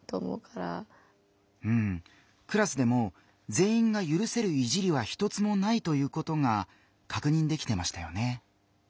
クラスでもぜんいんがゆるせる「いじり」は一つもないということがかくにんできてましたよね。